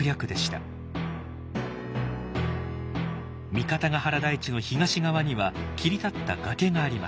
三方ヶ原台地の東側には切り立った崖があります。